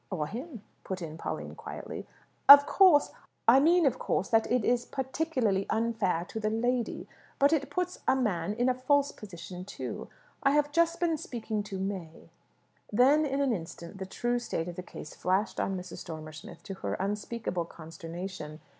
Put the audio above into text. "Or him," put in Pauline quietly. "Of course. I mean, of course, that it is particularly unfair to the lady. But it puts a man in a false position too. I have just been speaking to May " Then, in an instant, the true state of the case flashed on Mrs. Dormer Smith, to her unspeakable consternation.